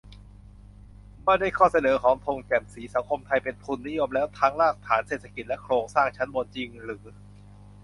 ว่าด้วยข้อเสนอของธง แจ่มศรี : สังคมไทยเป็นทุนนิยมแล้วทั้งรากฐานเศรษฐกิจและโครงสร้างชั้นบนจริงหรือ ?